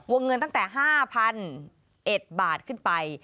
วงเงินตั้งแต่๕๐๐๐เอ็ดบาทขึ้นไป